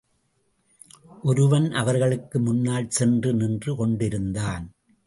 ஒருவன் அவர்களுக்கு முன்னால் சென்று நின்று கொண்டிருந்தான்.